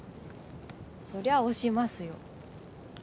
そりゃ推しますよ